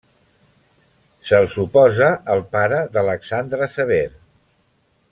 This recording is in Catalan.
Se'l suposa el pare d'Alexandre Sever.